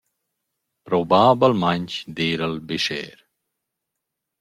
Probabelmaing d’eira’l bescher.